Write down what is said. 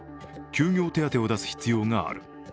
休業手当を出す必要がある。